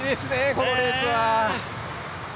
このレースは。